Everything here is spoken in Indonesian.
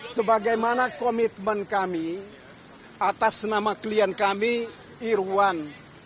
sebagai mana komitmen kami atas nama klien kami irwan